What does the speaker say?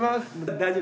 大丈夫。